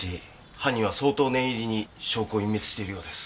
犯人は相当念入りに証拠を隠滅しているようです。